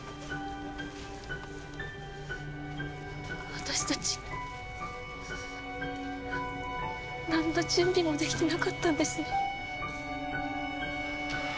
私たち何の準備もできてなかったんですね。